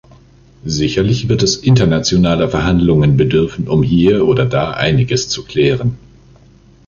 Sicherlich wird es internationaler Verhandlungen bedürfen, um hier oder da einiges zu klären.